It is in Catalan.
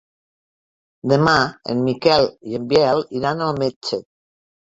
Demà en Miquel i en Biel iran al metge.